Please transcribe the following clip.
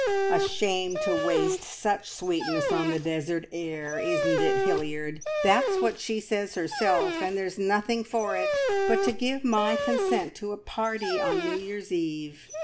"A shame to waste such sweetness on the desert air, isn't it, Hilliard? That's what she says herself, and there's nothing for it but to give my consent to a party on New Year's Eve.